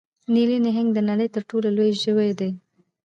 نیلي نهنګ د نړۍ تر ټولو لوی ژوی دی